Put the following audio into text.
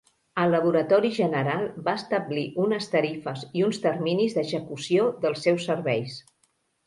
El Laboratori General va establir unes tarifes i uns terminis d'execució dels seus serveis.